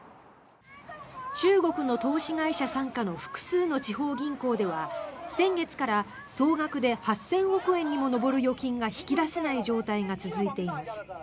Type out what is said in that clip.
中国の投資会社傘下の複数の地方銀行では先月から総額で８０００億円にも上る預金が引き出せない状態が続いています。